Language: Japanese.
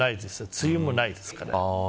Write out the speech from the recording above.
梅雨もないです。